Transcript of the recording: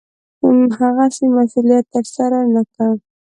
هغسې مسوولت ترسره نه کړ.